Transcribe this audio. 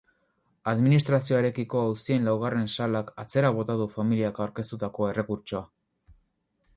Administrazioarekiko auzien laugarren salak atzera bota du familiak aurkeztutako errekurtsoa.